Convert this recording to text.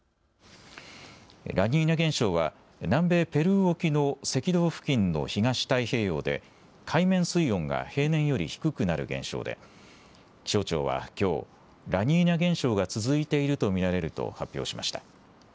ラニーニャ現象は南米ペルー沖の赤道付近の東太平洋で海面水温が平年より低くなる現象で気象庁はきょうラニーニャ現象が続いていると見られると発表しました。